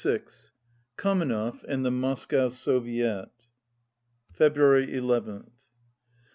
<53 KAMENEV AND THE MOSCOW SOVIET February nth.